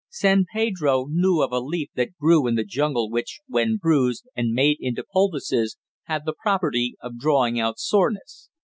San Pedro knew of a leaf that grew in the jungle which, when bruised, and made into poultices, had the property of drawing out soreness.